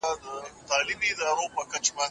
پر کتاب مي غبار پروت دی، او قلم مي کړی زنګ دی